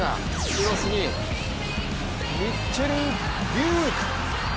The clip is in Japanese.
クロスにミッチェル・デューク！